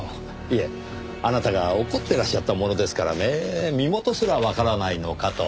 いえあなたが怒ってらっしゃったものですからねぇ身元すらわからないのかと。